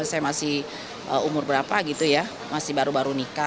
saya masih umur berapa gitu ya masih baru baru nikah